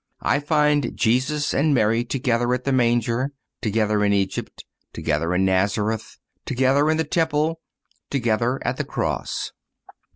I find Jesus and Mary together at the manger, together in Egypt, together in Nazareth, together in the temple, together at the cross.